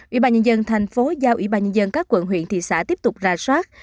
ủy ban nhân dân thành phố giao ủy ban nhân dân các quận huyện thị xã tiếp tục ra soát